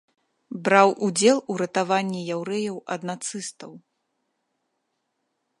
Браў удзел у ратаванні яўрэяў ад нацыстаў.